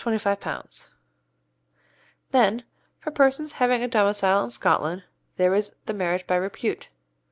Then, for persons having a domicile in Scotland, there is the marriage by repute.